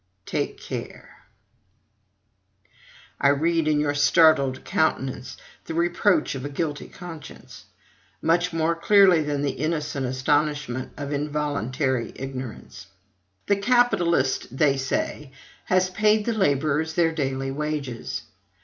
Take care! I read in your startled countenance the reproach of a guilty conscience, much more clearly than the innocent astonishment of involuntary ignorance. "The capitalist," they say, "has paid the laborers their DAILY WAGES."